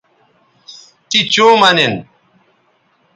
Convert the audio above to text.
تی چوں مہ نن